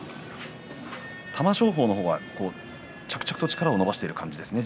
玉正鳳の方は着々と力を伸ばしている感じですね。